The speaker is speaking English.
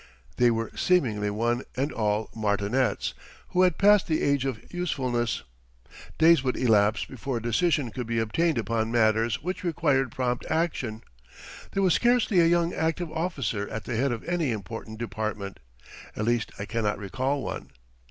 They were seemingly one and all martinets who had passed the age of usefulness. Days would elapse before a decision could be obtained upon matters which required prompt action. There was scarcely a young active officer at the head of any important department at least I cannot recall one.